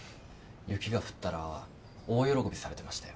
雪が降ったら大喜びされてましたよ。